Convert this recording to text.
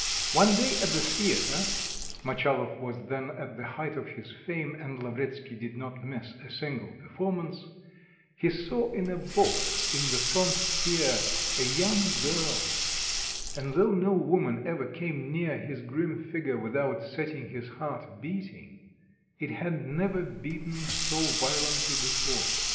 One day at the theatre Motchalov was then at the height of his fame and Lavretsky did not miss a single performance he saw in a box in the front tier a young girl, and though no woman ever came near his grim figure without setting his heart beating, it had never beaten so violently before.